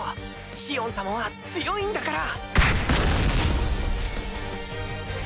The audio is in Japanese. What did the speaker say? シオン様は強いんだから！